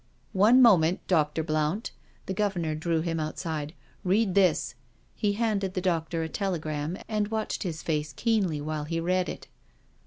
" One moment. Dr. Blount." The Governor drew him outside. " Read this." He handed the doctor a telegram^ and watched his face keenly while he read it.